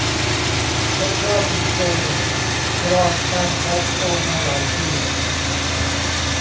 โอปรา วินเฟรย์ ครองการทอล์คโชว์มาหลายปี